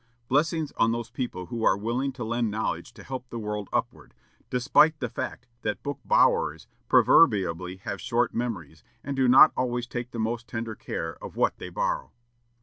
Blessings on those people who are willing to lend knowledge to help the world upward, despite the fact that book borrowers proverbially have short memories, and do not always take the most tender care of what they borrow.